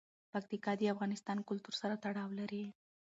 پکتیکا د افغان کلتور سره تړاو لري.